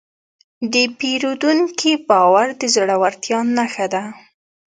د پیرودونکي باور د زړورتیا نښه ده.